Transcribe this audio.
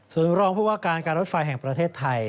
ส่วนรองผู้ว่าการการรถไฟแห่งประเทศไทย